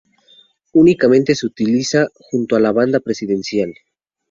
Únicamente se utiliza junto a la banda presidencial.